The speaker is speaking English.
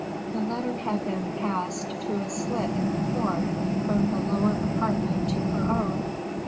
The letter had been passed, through a slit in the floor, from the lower apartment to her own.